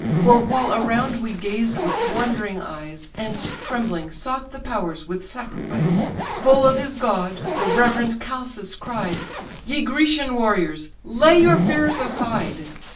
For while around we gazed with wondering eyes, And trembling sought the powers with sacrifice, Full of his god, the reverend Chalcas cried, 'Ye Grecian warriors! lay your fears aside.